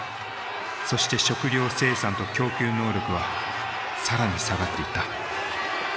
そして食料生産と供給能力は更に下がっていった。